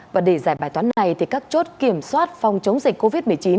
và để giải bài toán này thì các chốt kiểm soát phòng chống dịch covid một mươi chín